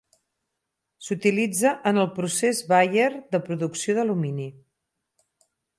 S'utilitza en el procés Bayer de producció d'alumini.